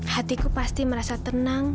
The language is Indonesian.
hatiku pasti merasa tenang